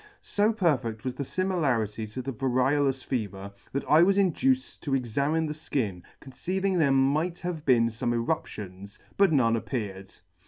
So perfect was the fimilarity to the variolous fever, that I was induced to examine the Ikin, conceiving there might have been fome eruptions, but none appeared.